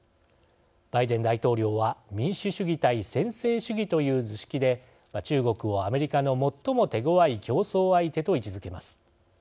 バイデン大統領は民主主義対専制主義という図式で中国をアメリカの最も手ごわい競争相手と位置づけます。